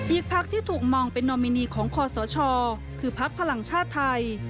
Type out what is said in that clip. อีกพักที่ถูกมองเป็นนอมินีของคอสชคือพักพลังชาติไทย